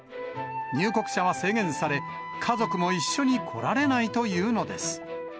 入国者は制限され、家族も一緒に来られないというのです。